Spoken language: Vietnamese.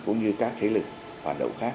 cũng như các thế lực hoạt động khác